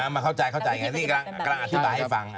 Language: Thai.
มาเข้าใจอย่างนี้กำลังอธิบายให้ฟัง